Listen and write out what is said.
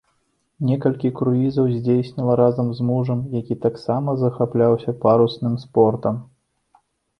Некалькі круізаў здзейсніла разам з мужам, які таксама захапляўся парусным спортам.